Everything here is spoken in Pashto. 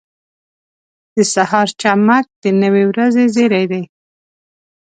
• د سهار چمک د نوې ورځې زیری دی.